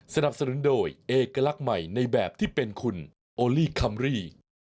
สนับสนุนโดยเอกลักษณ์ใหม่ในแบบที่เป็นคุณโอลี่คัมรี่